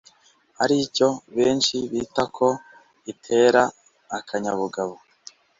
aricyo benshi bita ko itera akanyabugabo